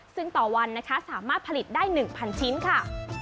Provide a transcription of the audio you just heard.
ซึ่งต่อวันนะคะสามารถผลิตได้๑๐๐ชิ้นค่ะ